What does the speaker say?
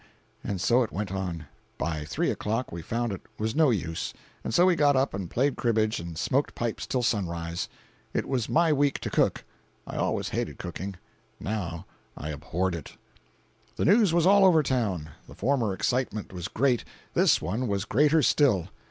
And so it went on. By three o'clock we found it was no use, and so we got up and played cribbage and smoked pipes till sunrise. It was my week to cook. I always hated cooking—now, I abhorred it. The news was all over town. The former excitement was great—this one was greater still.